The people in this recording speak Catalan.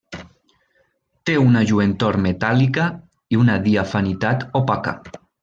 Té una lluentor metàl·lica i una diafanitat opaca.